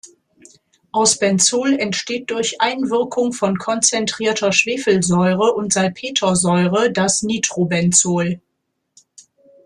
Aus Benzol entsteht durch Einwirkung von konzentrierter Schwefelsäure und Salpetersäure das Nitrobenzol.